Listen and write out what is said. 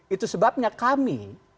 itu sebabnya kami